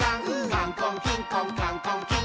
「カンコンキンコンカンコンキン！」